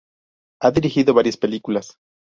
Ha dirigido varias películas.